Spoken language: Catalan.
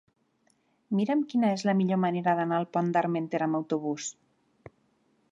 Mira'm quina és la millor manera d'anar al Pont d'Armentera amb autobús.